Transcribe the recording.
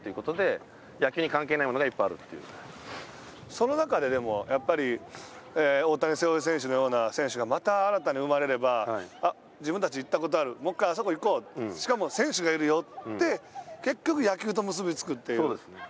その中ででも、やっぱり大谷翔平選手のような選手がまた新たに生まれれば、自分たち行ったことある、もう１回あそこに行こう、しかも、選手がいるよって、結局野球が結び付くという。